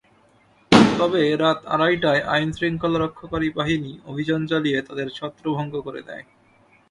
তবে রাত আড়াইটায় আইনশৃঙ্খলা রক্ষাকারী বাহিনী অভিযান চালিয়ে তাঁদের ছত্রভঙ্গ করে দেয়।